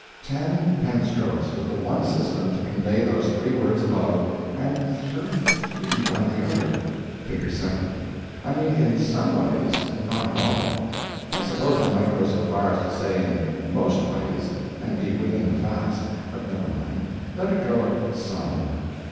Ten pen strokes with the one system to convey those three words above, and thirty three by the other! (Figure 7) I mean, in SOME ways, not in all. I suppose I might go so far as to say in most ways, and be within the facts, but never mind; let it go at some.